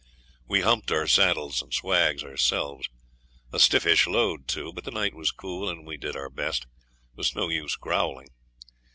We humped our saddles and swags ourselves; a stiffish load too, but the night was cool, and we did our best. It was no use growling.